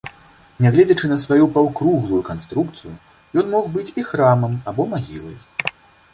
Нягледзячы на сваю паўкруглую канструкцыю, ён мог быць і храмам або магілай.